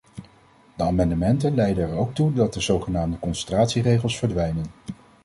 De amendementen leiden er ook toe dat de zogenaamde concentratieregels verdwijnen.